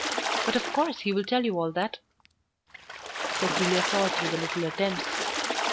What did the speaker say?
"But of course he will tell you all that." Cecilia saw through the little attempts.